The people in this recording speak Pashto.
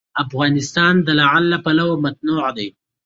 افغانستان د لعل له پلوه متنوع دی.